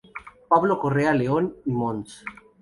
Pablo Correa León y Mons.